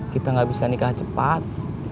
kita nggak bisa nikah cepat